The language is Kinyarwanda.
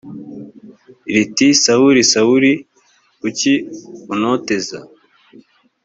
riti sawuli sawuli kuki untoteza